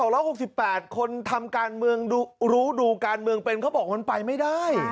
คนทำการเมืองรู้ดูการเมืองเป็นเขาบอกมันไปไม่ได้